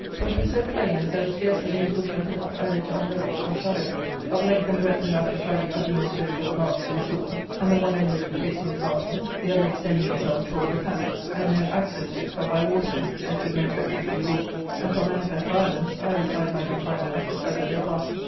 For it was so plain as there was scarcely any bush or hillock either to unlevel or shadow it ; of length and breadth enough to try the uttermost both of lance and sword ; and the one end of it facing the castle, the other extending itself toward the camp ; and, no access to it but by water, there could no treachery be wrought, and, for manifest violence, either side might have time enough to succour their party.